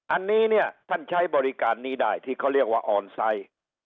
อันนี้เนี่ยท่านใช้บริการนี้ได้ที่เขาเรียกว่าออนไซต์